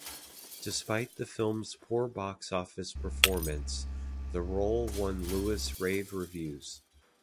Despite the film's poor box-office performance, the role won Lewis rave reviews.